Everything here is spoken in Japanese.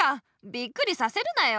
びっくりさせるなよ。